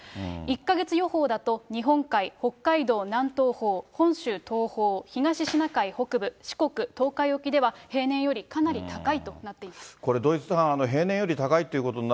１か月予報だと、日本海、北海道南東方、本州東方、東シナ海北部、四国、東海沖では、平年よりかなり高いとなっています。